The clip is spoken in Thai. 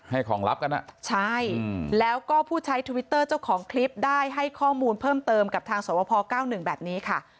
ของลับกันอ่ะใช่แล้วก็ผู้ใช้ทวิตเตอร์เจ้าของคลิปได้ให้ข้อมูลเพิ่มเติมกับทางสวพ๙๑แบบนี้ค่ะ